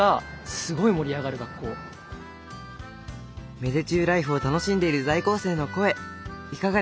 芽出中ライフを楽しんでいる在校生の声いかがですか？